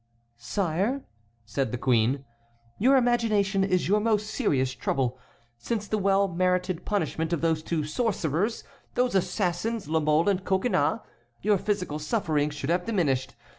"Sire," said the queen, "your imagination is your most serious trouble. Since the well merited punishment of those two sorcerers, those assassins, La Mole and Coconnas, your physical suffering should have diminished.